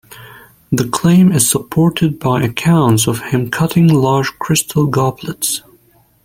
This claim is supported by accounts of him cutting large crystal goblets.